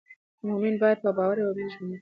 مؤمن باید په باور او امید ژوند وکړي.